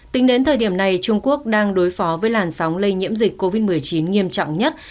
tính đến thời điểm này trung quốc đang đối phó với làn sóng lây nhiễm dịch covid một mươi chín nghiêm trọng nhất